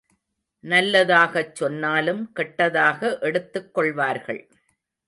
நல்லதாகச் சொன்னாலும், கெட்டதாக எடுத்துக் கொள்வார்கள்.